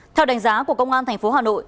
theo đánh giá của công an tp hà nội